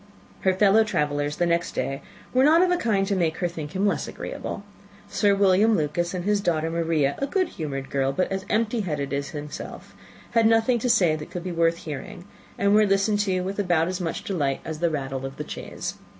Her fellow travellers the next day were not of a kind to make her think him less agreeable. Sir William Lucas, and his daughter Maria, a good humoured girl, but as empty headed as himself, had nothing to say that could be worth hearing, and were listened to with about as much delight as the rattle of the chaise.